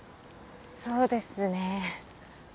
そうですね。